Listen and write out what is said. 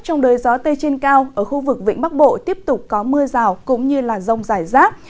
trong đời gió tây trên cao ở khu vực vĩnh bắc bộ tiếp tục có mưa rào cũng như rông rải rác